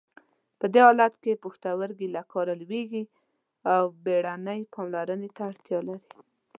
په دې حالت کې پښتورګي له کاره لویږي او بیړنۍ پاملرنې ته اړتیا لري.